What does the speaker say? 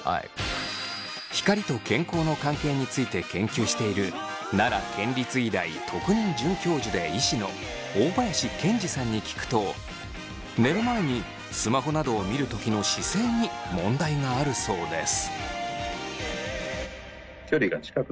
光と健康の関係について研究している奈良県立医大特任准教授で医師の大林賢史さんに聞くと寝る前にスマホなどを見る時の姿勢に問題があるそうです。